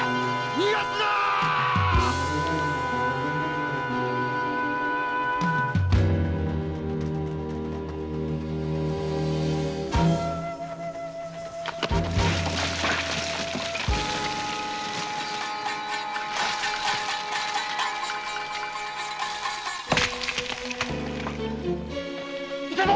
逃がすなっ‼いたぞ！